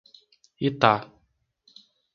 Itá